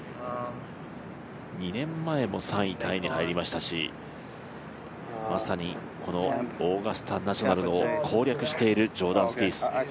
２年前も３位タイに入りましたし、まさにオーガスタ・ナショナルを攻略しているジョーダン・スピース。